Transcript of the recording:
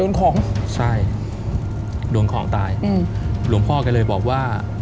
โดนของใช่โดนของตายอืมหลวงพ่อก็เลยบอกว่า